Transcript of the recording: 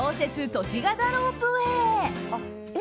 都市型ロープウェー。